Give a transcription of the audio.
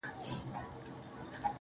ډيره ژړا لـــږ خـــنــــــــــدا~